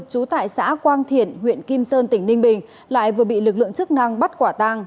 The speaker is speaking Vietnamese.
trú tại xã quang thiện huyện kim sơn tỉnh ninh bình lại vừa bị lực lượng chức năng bắt quả tang